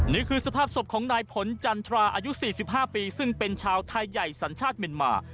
นี่คือสภาพศพของนายผลจันทราอายุ๔๕ปีซึ่งเป็นชาวไทยใหญ่สัญชาติเมียนมา